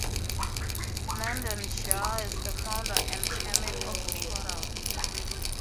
Nandan Jha is the founder and chairman of the portal.